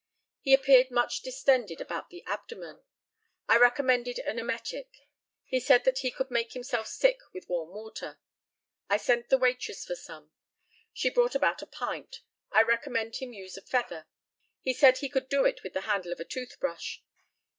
He appeared much distended about the abdomen. I recommended an emetic. He said that he could make himself sick with warm water. I sent the waitress for some. She brought about a pint. I recommended him to use a feather. He said he could do it with the handle of a toothbrush.